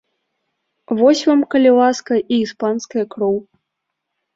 Вось вам, калі ласка, і іспанская кроў!